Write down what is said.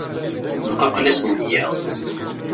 Tenquqla-s nniya.